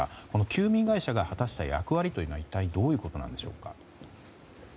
休眠会社が果たした役割というのは一体どういうことなんでしょうか。